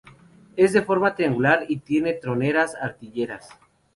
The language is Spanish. Es de forma triangular y tiene troneras artilleras.